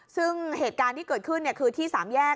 ซึ่งเหตุการณ์ที่เกิดขึ้นคือที่๓แยก